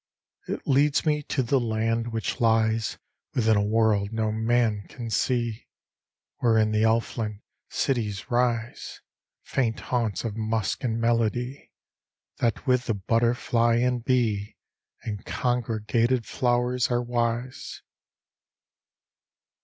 It leads me to the land which lies Within a world no man can see; Wherein the Elfland cities rise, Faint haunts of musk and melody; That with the butterfly and bee And congregated flowers are wise.